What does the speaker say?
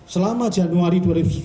selama januari dua ribu sembilan belas